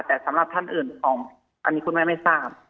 แต่สำหรับท่านอื่นของอันนี้คุณแม่ไม่ทราบ